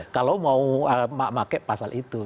kalau mau pakai pasal itu